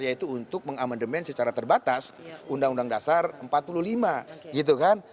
yaitu untuk mengamandemen secara terbatas uud seribu sembilan ratus empat puluh lima gitu kan